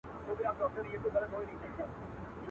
لښکر پردی وي خپل پاچا نه لري.